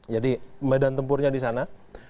jadi medan tempurnya di sana